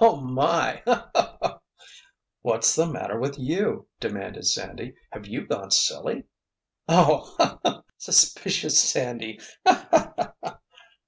Oh, my!—ho ho——" "What's the matter with you?" demanded Sandy. "Have you gone silly?" "Oh—ho ho! Suspicious Sandy!—ho ho!"